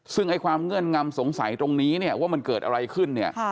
ซึ่งไอ้ความเงื่อนงำสงสัยตรงนี้เนี่ยว่ามันเกิดอะไรขึ้นเนี่ย